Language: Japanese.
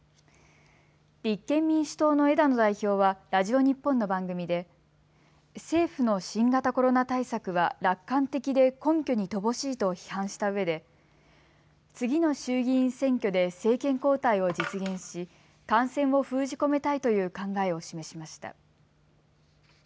立憲民主党の枝野代表はラジオ日本の番組で政府の新型コロナ対策は楽観的で根拠に乏しいと批判したうえで次の衆議院選挙で政権交代を実現し感染を封じ込めたいという考えを示しました。